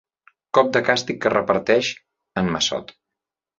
Cop de càstig que reparteix en Massot.